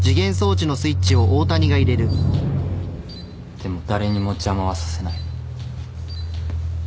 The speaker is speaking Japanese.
でも誰にも邪魔はさせない。